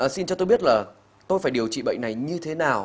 xin cho tôi biết là tôi phải điều trị bệnh này như thế nào